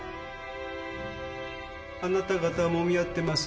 あなた方もみ合ってます。